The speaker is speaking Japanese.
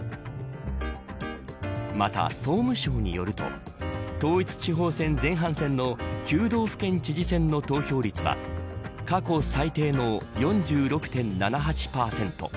また、総務省によると統一地方選前半戦の９道府県知事選の投票率は過去最低の４６．７８％。